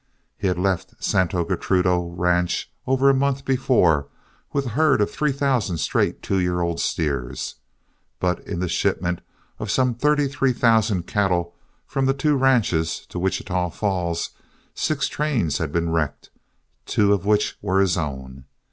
He had left Santo Gertrudo Ranch over a month before with a herd of three thousand straight two year old steers. But in the shipment of some thirty three thousand cattle from the two ranches to Wichita Falls, six trains had been wrecked, two of which were his own.